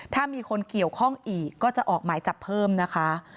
ถ้ามีคนเกี่ยวข้องอีกก็จะออกหมายจับเพิ่มนะคะ